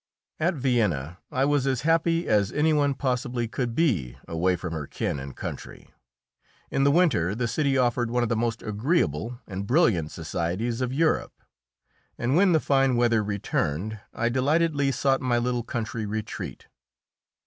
At Vienna I was as happy as any one possibly could be away from her kin and country. In the winter the city offered one of the most agreeable and brilliant societies of Europe, and when the fine weather returned I delightedly sought my little country retreat.